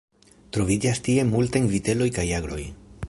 Troviĝas tie multajn vitejoj kaj agroj.